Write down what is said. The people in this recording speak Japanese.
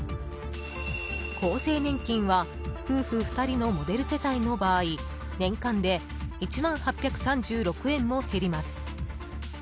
厚生年金は夫婦２人のモデル世帯の場合年間で１万８３６円も減ります。